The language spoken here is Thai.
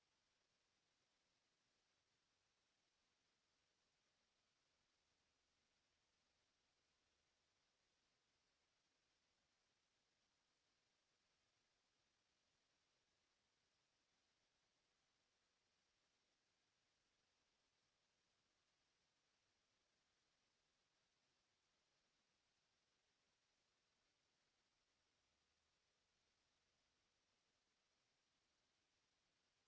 โปรดติดตามต่อไป